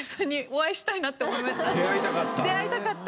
出会いたかった？